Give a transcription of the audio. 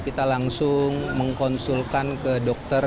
kita langsung mengkonsulkan ke dokter